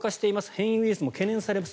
変異ウイルスも懸念されます